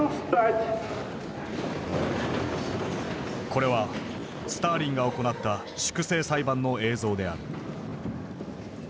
これはスターリンが行った粛清裁判の映像である。